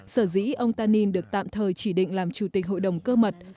sở dĩ ông tanin được tạm thời chỉ định làm chủ tịch hội đồng cơ mật